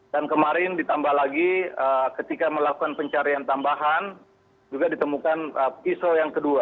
dan kemarin ditambah lagi ketika melakukan pencarian tambahan juga ditemukan pisau yang kedua